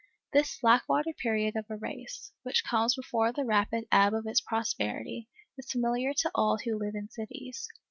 This slack water period of a race, which comes before the rapid ebb of its prosperity, is familiar to all who live in cities.